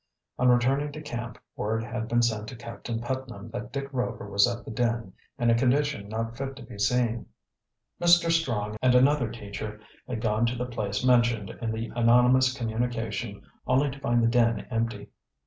On returning to camp word had been sent to Captain Putnam that Dick Rover was at the den in a condition not fit to be seen. Mr. Strong and another teacher had gone to the place mentioned in the anonymous communication only to find the den empty.